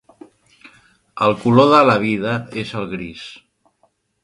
El color de la vida és el gris.